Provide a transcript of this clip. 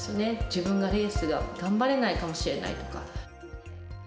自分がレースを頑張れないかもしれないとか。